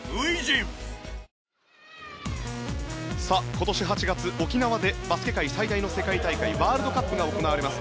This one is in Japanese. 今年８月、沖縄でバスケ界最大の世界大会ワールドカップが行われます。